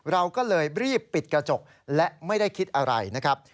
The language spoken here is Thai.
เราก็เลยรีบปิดกระจกและไม่ได้คิดอะไรนะครับ